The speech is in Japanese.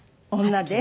女で？